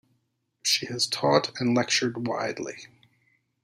She has taught and lectured widely.